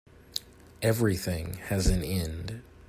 Everything has an end.